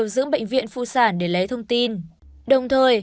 ghi thông tin đồng thời